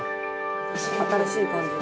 新しい感じが。